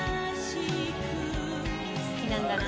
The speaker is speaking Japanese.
好きなんだな。